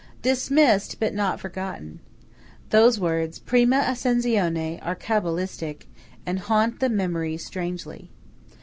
Dismissed, but not forgotten. Those words "prima ascenzione" are Cabalistic, and haunt the memory strangely.